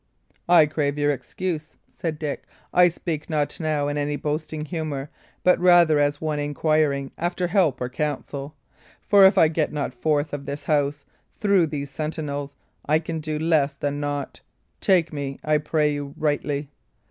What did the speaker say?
"I crave your excuse," said Dick. "I speak not now in any boasting humour, but rather as one inquiring after help or counsel; for if I get not forth of this house and through these sentinels, I can do less than naught. Take me, I pray you, rightly."